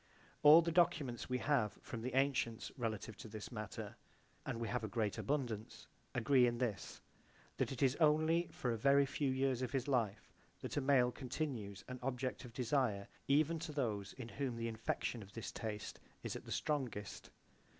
All the documents we have from the antients relative to this matter, and we have a great abundance, agree in this, that it is only for a very few years of his life that a male continues an object of desire even to those in whom the infection of this taste is at the strongest.